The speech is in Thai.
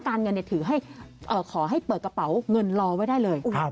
การเงินถือให้ขอให้เปิดกระเป๋าเงินรอไว้ได้เลย